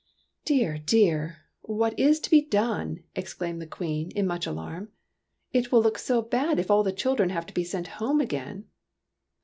'' Dear, dear ! What is to be done ?" ex claimed the Queen, in much alarm. " It will look so very bad if all the children have to be sent home again